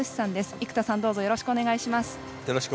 生田さん、よろしくお願いします。